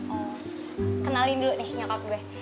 oh kenalin dulu nih nyokap gue